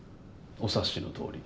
お察しのとおり。